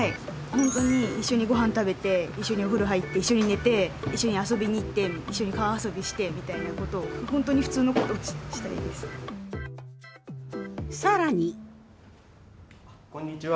本当に一緒にごはん食べて一緒にお風呂入って一緒に寝て一緒に遊びに行って一緒に川遊びしてみたいなことを本当にこんにちは。